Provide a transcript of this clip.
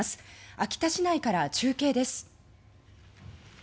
秋田市内から中継です。